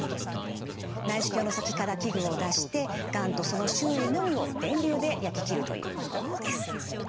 内視鏡の先から器具を出してがんとその周囲のみを電流で焼き切るという方法です。